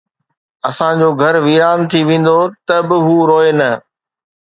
اسان جو گهر ويران ٿي ويندو ته به هو روئي نه